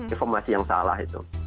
informasi yang salah itu